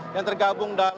yang tergabung dengan